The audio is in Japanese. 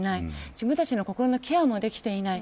自分たちの心のケアもできていない。